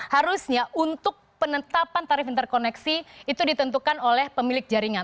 harusnya untuk penetapan tarif interkoneksi itu ditentukan oleh pemilik jaringan